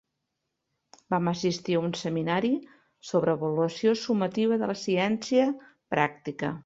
Vam assistir a un seminari sobre avaluació sumativa de la ciència pràctica.